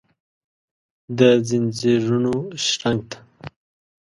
دځنځیرونو شرنګ ته ،